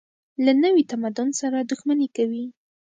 له نوي تمدن سره دښمني کوي.